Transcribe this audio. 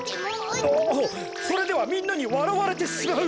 ああそれではみんなにわらわれてしまう。